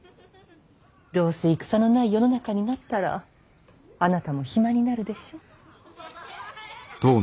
どうせ戦のない世の中になったらあなたも暇になるでしょ。